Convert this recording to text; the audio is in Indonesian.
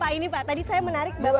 pak ini pak tadi saya menarik bahwa